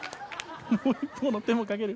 もう一方の手も掛ける。